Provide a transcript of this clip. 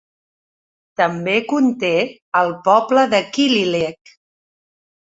També conté el poble de Killyleagh.